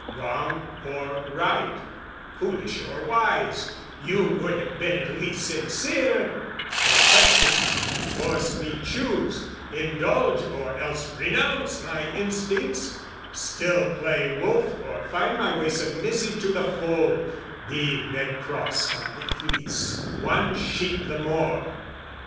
wrong or right, Foolish or wise, you would have been at least Sincere, no question, forced me choose, indulge Or else renounce my instincts, still play wolf Or find my way submissive to the fold, Be red crossed on the fleece, one sheep the more.